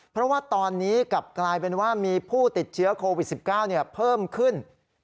เพราะว่าตอนนี้กลับกลายเป็นว่ามีผู้ติดเชื้อโควิด๑๙เพิ่มขึ้น